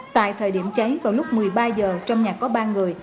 tại thời điểm cháy vào lúc một mươi ba h trong nhà có ba người